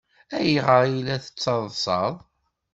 Ayɣer ay la tettaḍsaḍ?